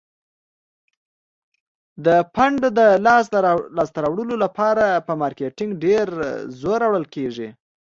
د فنډ د لاس ته راوړلو لپاره په مارکیټینګ ډیر زور راوړل کیږي.